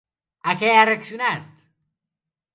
A què ha reaccionat?